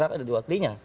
karena ada dua klienya